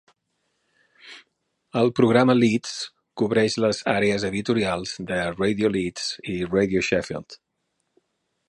El programa Leeds cobreix les àrees editorials de Radio Leeds i Radio Sheffield.